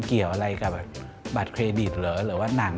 เกี่ยวอะไรกับบัตรเครดิตเหรอหรือว่าหนัง